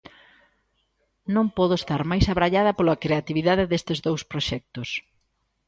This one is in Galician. Non podo estar máis abraiada pola creatividade destes dous proxectos.